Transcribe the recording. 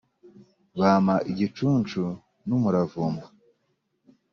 bampa igicuncu n` umuravumba